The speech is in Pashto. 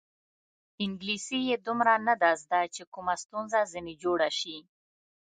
انګلیسي یې دومره نه ده زده چې کومه ستونزه ځنې جوړه شي.